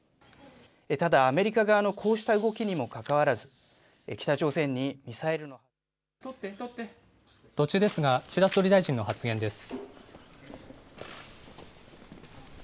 ただアメリカ側のこうした動きにもかかわらず、北朝鮮にミサイル途中ですが、岸田総理大臣の発言です。